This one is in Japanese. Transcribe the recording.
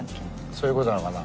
そういうことなのかな？